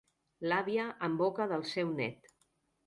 L'àvia, en boca del seu nét.